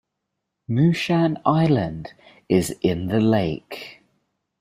Mushan Island is in the lake.